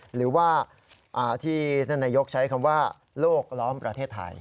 หรือว่าที่ท่านนายกใช้คำว่าโลกล้อมประเทศไทย